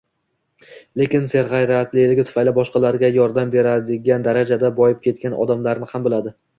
lekin serg'ayratligi tufayli boshqalarga yordam beradian darajada boyib ketgan odamlarni ham biladi.